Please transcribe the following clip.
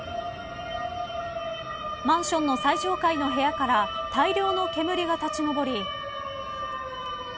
マンションの最上階の部屋から大量の煙が立ち上り。